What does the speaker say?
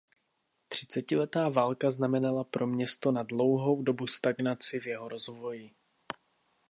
Třicetiletá válka znamenala pro město na dlouhou dobu stagnaci v jeho rozvoji.